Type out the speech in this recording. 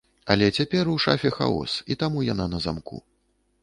Але цяпер у шафе хаос і таму яна на замку.